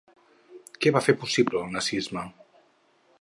Què va fer possible el nazisme?